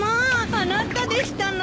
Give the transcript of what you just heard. あなたでしたの。